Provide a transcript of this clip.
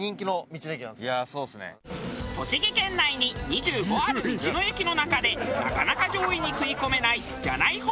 栃木県内に２５ある道の駅の中でなかなか上位に食い込めないじゃない方